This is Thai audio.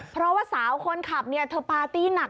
เพราะว่าสาวคนขับเนี่ยเธอปาร์ตี้หนัก